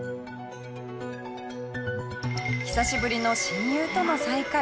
久しぶりの親友との再会。